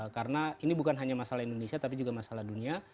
karena ini bukan hanya masalah indonesia tapi juga masalah dunia